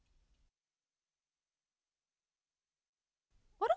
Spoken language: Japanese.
あら？